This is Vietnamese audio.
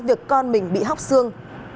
việc con mình bị hóc xương